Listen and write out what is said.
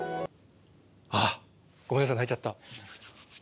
あっごめんなさい泣いちゃった。